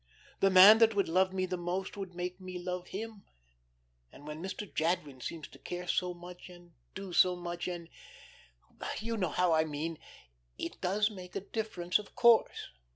The man that would love me the most would make me love him. And when Mr. Jadwin seems to care so much, and do so much, and you know how I mean; it does make a difference of course.